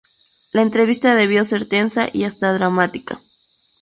La entrevista debió ser tensa y hasta dramática.